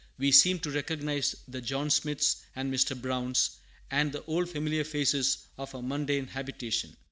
We seem to recognize the "John Smiths," and "Mr. Browns," and "the old familiar faces" of our mundane habitation.